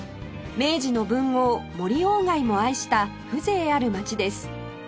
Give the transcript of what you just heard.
明治の文豪森外も愛した風情ある街です